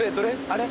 あれ？